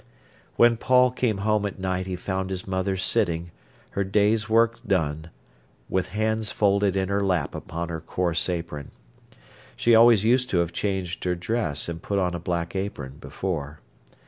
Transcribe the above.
When Paul came home at night he found his mother sitting, her day's work done, with hands folded in her lap upon her coarse apron. She always used to have changed her dress and put on a black apron, before.